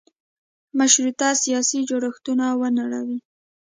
مشروطه سیاسي جوړښتونه ونړوي.